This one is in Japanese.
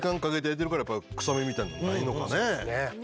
うんそうですね。